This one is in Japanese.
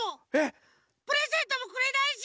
プレゼントもくれないし。